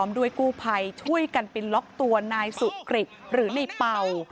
ด้วยกู้ภัยช่วยกันไปล็อกตัวนายสุกริจหรือในเป่า